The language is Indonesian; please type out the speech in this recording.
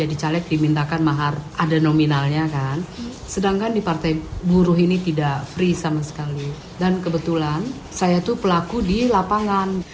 dan kebetulan saya tuh pelaku di lapangan